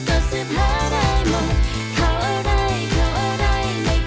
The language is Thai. เป็นลับมารู้ไหม